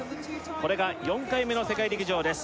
これが４回目の世界陸上です